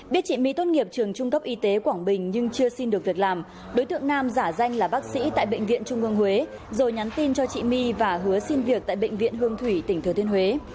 biết chị mỹ tốt nghiệp trường trung cấp y tế quảng bình nhưng chưa xin được việc làm đối tượng nam giả danh là bác sĩ tại bệnh viện trung ương huế rồi nhắn tin cho chị my và hứa xin việc tại bệnh viện hương thủy tỉnh thừa thiên huế